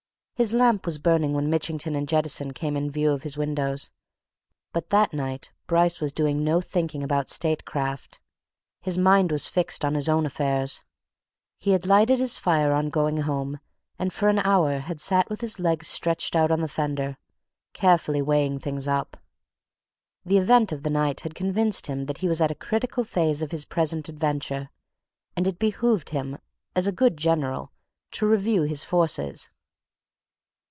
His lamp was burning when Mitchington and Jettison came in view of his windows but that night Bryce was doing no thinking about statecraft: his mind was fixed on his own affairs. He had lighted his fire on going home and for an hour had sat with his legs stretched out on the fender, carefully weighing things up. The event of the night had convinced him that he was at a critical phase of his present adventure, and it behoved him, as a good general, to review his forces.